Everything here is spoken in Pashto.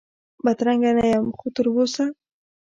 بدرنګه نه یم خو تراوسه،